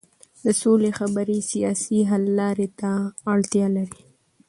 د سولې خبرې سیاسي حل لارې ته اړتیا لري